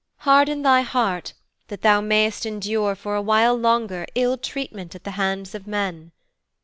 Harden thy heart, that thou mayest endure for a while longer ill treatment at the hands of men.'